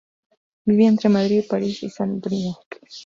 Vivía entre Madrid, París y Saint-Briac.